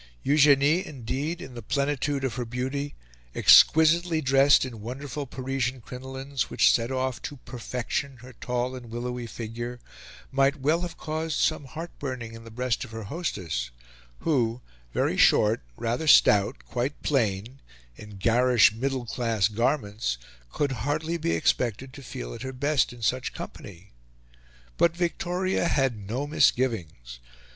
Eugenie, indeed, in the plenitude of her beauty, exquisitely dressed in wonderful Parisian crinolines which set off to perfection her tall and willowy figure, might well have caused some heart burning in the breast of her hostess, who, very short, rather stout, quite plain, in garish middle class garments, could hardly be expected to feel at her best in such company. But Victoria had no misgivings.